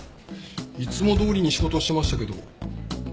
いつもどおりに仕事してましたけど。